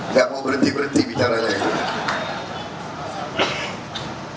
gak mau berhenti berhenti bicara bicara